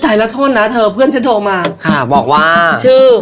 ทำสริฟท์อุ๊ยเธอเพื่อนชั้นโทรมาค่ะบอกว่าชื่อ